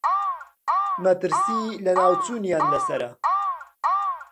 مەترسیی لەناوچوونیان لەسەرە.